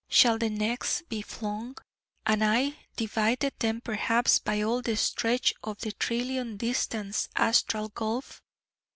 shall she next be flung, and I, divided then perhaps by all the stretch of the trillion distanced astral gulf?'